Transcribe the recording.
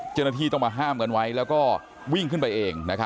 เจ้าหน้าที่ต้องมาห้ามกันไว้แล้วก็วิ่งขึ้นไปเอง